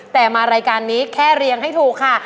แต่มารายการนี้แค่เรียงให้ถูกค่ะ